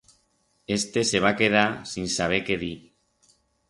Este se va quedar sin saber qué dir.